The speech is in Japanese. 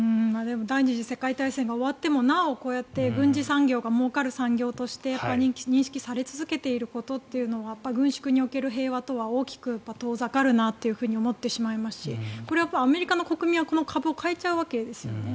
第２次世界大戦が終わってもなおこうやって軍需産業がもうかる産業として認識され続けているということはやっぱり軍縮における平和とは大きく遠ざかるなとは思ってしまいますしこれはアメリカの国民はこの株を買えちゃうわけですよね。